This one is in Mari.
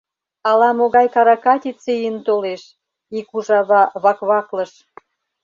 — Ала-могай каракатице ийын толеш, — ик ужава вакваклыш.